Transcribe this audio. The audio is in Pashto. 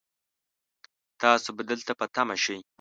تاسو به دلته په تمه شئ